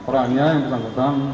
perannya yang terang terang